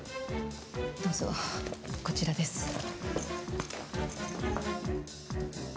どうぞこちらです。